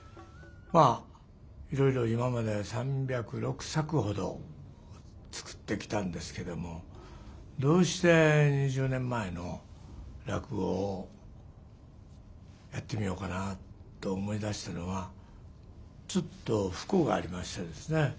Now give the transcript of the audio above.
まあいろいろ今まで３０６作ほど作ってきたんですけどもどうして２０年前の落語をやってみようかなと思い出したのはちょっと不幸がありましてですね